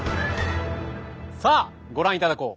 さあご覧いただこう。